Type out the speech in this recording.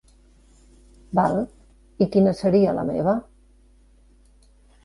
Val, i quina seria la meva?